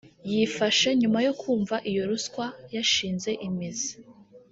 yifashe nyuma yo kumva iyo ruswa yashinze imizi